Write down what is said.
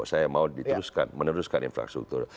saya mau meneruskan infrastruktur